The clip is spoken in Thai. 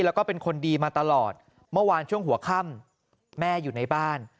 แล้วก็เป็นคนดีมาตลอดเมื่อวานช่วงหัวค่ำแม่อยู่ในบ้าน